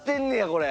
これ。